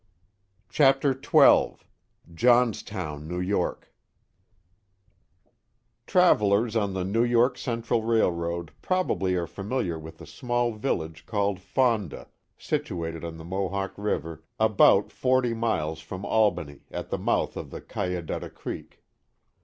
Chapter XII Johnstown, New York TRAVELLERS on the New York Central Railroad probably are familiar with a small village called Fonda, situated on the Mohawk River about forty miles from Albany, at the mouth of the Cayadutta Creek.